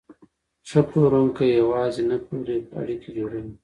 ښه پلورونکی یوازې نه پلوري، اړیکې جوړوي.